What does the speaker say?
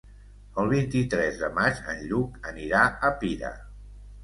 El vint-i-tres de maig en Lluc anirà a Pira.